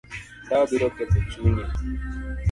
Ndawa biro ketho chunyi.